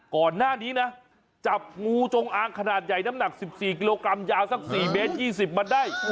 ก่อนหน้านี้นะจับงูจงอางขนาดใหญ่น้ำหนัก๑๔กิโลกรัมยาวสัก๔เมตร๒๐มันได้